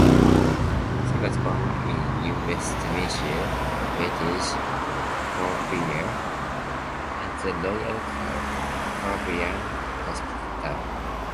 She was born in New Westminster, British Columbia at the Royal Columbian Hospital.